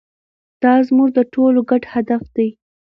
دا زموږ د ټولو ګډ هدف دی.